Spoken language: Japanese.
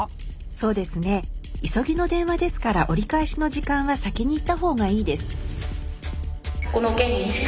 そうですね急ぎの電話ですから折り返しの時間は先に言った方がいいです。